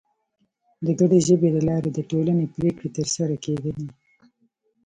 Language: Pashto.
د ګډې ژبې له لارې د ټولنې پرېکړې تر سره کېدلې.